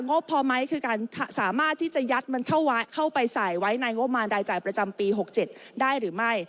บพอไหมคือการสามารถที่จะยัดมันเข้าไปใส่ไว้ในงบมารรายจ่ายประจำปี๖๗ได้หรือไม่